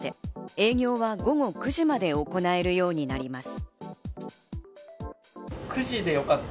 営業は午後９時まで行えるようになります。